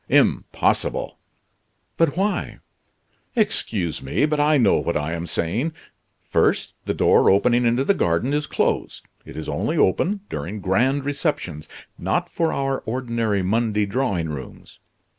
"Impossible!" "But why?" "Excuse me, but I know what I am saying. First, the door opening into the garden is closed; it is only open during grand receptions, not for our ordinary Monday drawing rooms.